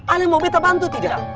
ala mau beta bantu tidak